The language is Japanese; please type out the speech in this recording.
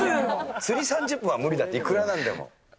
釣り３０分は無理だって、いくらなんでも。